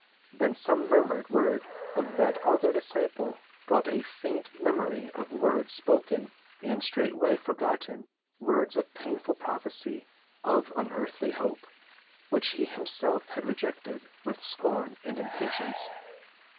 Then some murmured word of that other disciple brought a faint memory of words spoken and straightway forgotten, words of painful prophecy, of unearthly hope, which he himself had rejected with scorn and impatience.